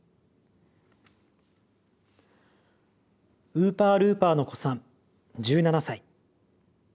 ウーパールーパーの子さん１７歳。